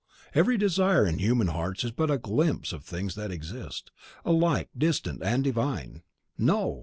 Every desire in human hearts is but a glimpse of things that exist, alike distant and divine. No!